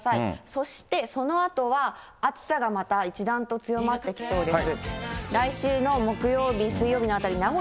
そしてそのあとは暑さがまた一段と強まってきそうです。